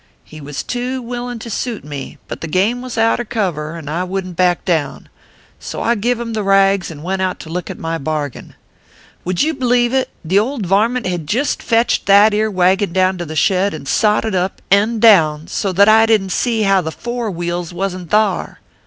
" He was too willin to suit me ; but the game was outer cover, and I wouldn t back down. So I give him the rags, and went out to look at my bargain. Would you bleave it, the old varmint had jist fetched that ere wagon down to the shed, and sot it up end on, so that I didn t see how the fore wheels wasn t thar